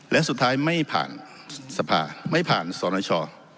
และสุดท้ายไม่ผ่านสภาพไม่ผ่านสรรค์หน้าช่อ